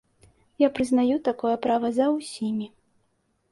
Я прызнаю такое права за ўсімі.